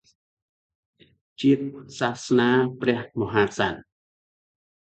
ជាតិ សសនា ព្រះមហាក្សត្រ